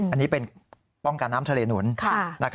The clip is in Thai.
อันนี้เป็นป้องกันน้ำทะเลหนุน